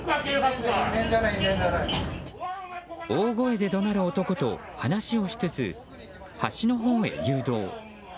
大声で怒鳴る男と話をしつつ端のほうへ誘導。